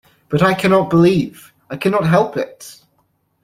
But I cannot believe! I cannot help it!